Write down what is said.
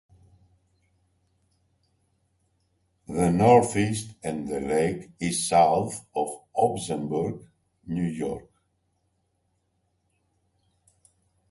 The northeast end of the lake is south of Ogdensburg, New York.